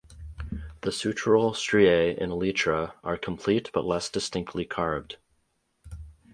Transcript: The sutural striae in elytra are complete but less distinctly carved.